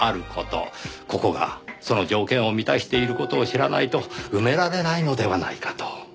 ここがその条件を満たしている事を知らないと埋められないのではないかと。